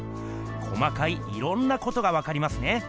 細かいいろんなことがわかりますね。